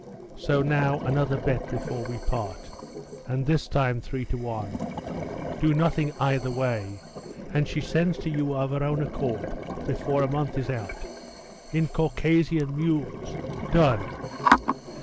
So now another bet before we part, and this time three to one. Do nothing either way, and she sends to you of her own accord before a month is out. In Caucasian mules? Done?